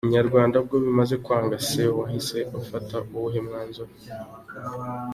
Inyarwanda: Ubwo bimaze kwanga se wahise ufata uwuhe mwanzuro?.